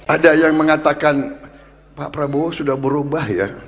ada yang mengatakan pak prabowo sudah berubah ya